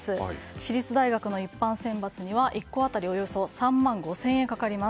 私立大学の一般選抜には１校当たり３万５０００円かかります。